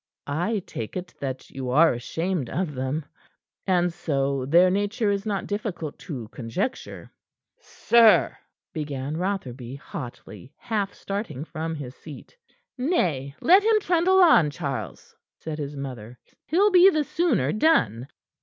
I take it that you are ashamed of them; and so, their nature is not difficult to conjecture." "Sir " began Rotherby, hotly, half starting from his seat. "Nay, let him trundle on, Charles," said his mother. "He'll be the sooner done."